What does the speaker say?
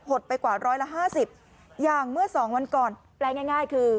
ดไปกว่าร้อยละห้าสิบอย่างเมื่อสองวันก่อนแปลง่ายง่ายคือ